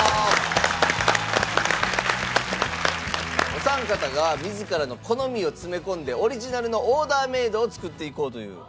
お三方が自らの好みを詰め込んでオリジナルのオーダーメイドを作っていこうという。